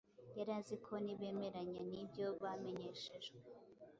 Yari azi ko nibemeranya n’ibyo bamenyeshejwe,